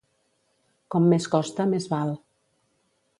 Com més costa, més val.